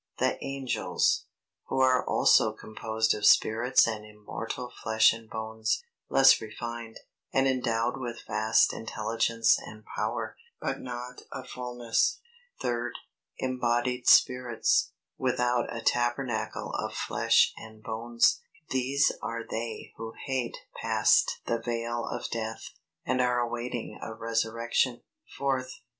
The Angels, who are also composed of spirits and immortal flesh and bones, less refined, and endowed with vast intelligence and power, but not a fulness. Third. Embodied Spirits, without a tabernacle of flesh and bones. These are they who hate passed the veil of death, and are awaiting a resurrection. Fourth.